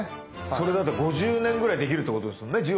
それだと５０年ぐらいできるってことですよね。